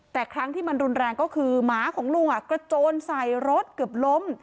แต่ครั้งที่มันรุนแรงก็คือหมาของลุงกระโจนใส่รถเกือบล้ม